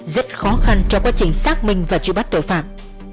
rất khó khăn cho quá trình xác minh và trụ bắt tội phạm